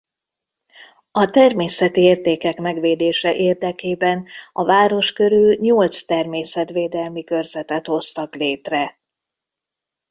A természeti értékek megvédése érdekében a város körül nyolc természetvédelmi körzetet hoztak létre.